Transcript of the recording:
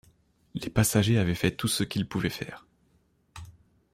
Les passagers avaient fait tout ce qu’ils pouvaient faire.